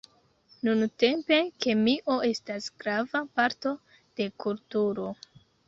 Nuntempe kemio estas grava parto de kulturo.